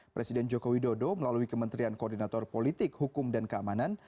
presiden joko widodo melalui kementerian koordinator politik hukum dan keamanan